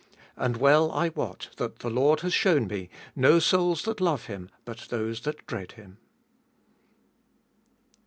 And well I wot that the Lord has shown me no souls that love Him but those that dread Him.